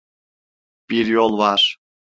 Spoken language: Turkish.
Bir yol var.